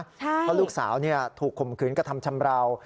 เพราะลูกสาวถูกข่มขืนกระทำชำราว